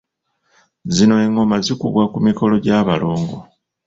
Zino engoma zikubwa ku mikolo gya balongo.